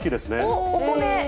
おっ、お米。